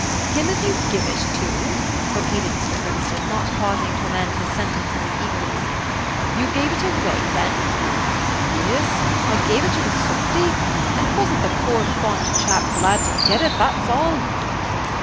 "Him as you give it to?" repeated Mr. Grimstone, not pausing to amend the sentence in his eagerness. "You gave it away, then?" "Yees, I gave it to th' softy; and was n't the poor fond chap glad to get it, that's all!"